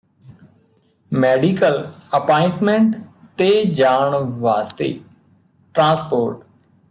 medical appointment ਤੇ ਜਾਣ ਵਾਸਤੇ ਟਰਾਂਸਪੋਰਟ